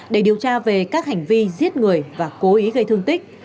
để điều tra về các hành vi giết người và cố ý gây thương tích